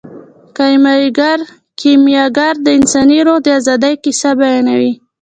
کیمیاګر د انساني روح د ازادۍ کیسه بیانوي.